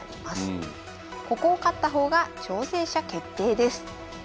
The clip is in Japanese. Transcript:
ここを勝った方が挑戦者決定です。